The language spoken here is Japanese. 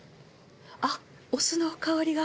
あっお酢の香りが。